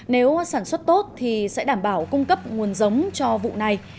nếu sản xuất tốt thì sẽ đảm bảo cung cấp nguồn giống cho vụ này